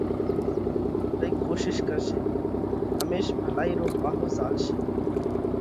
رئي ڪوشِيش ڪرشي۔ هميش ڀلائِي رو پاهو زهالشي